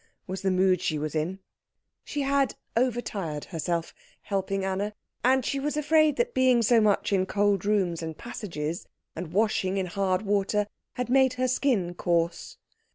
was the mood she was in. She had over tired herself helping Anna, and she was afraid that being so much in cold rooms and passages, and washing in hard water, had made her skin coarse.